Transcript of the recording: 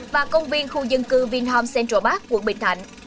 và công viên khu dân cư vinh hòm central park quận bình thạnh